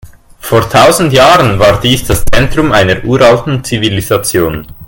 Vor tausend Jahren war dies das Zentrum einer uralten Zivilisation.